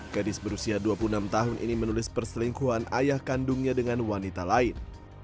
gadis berusia dua puluh enam tahun ini menulis perselingkuhan ayah kandungnya dengan wanita lain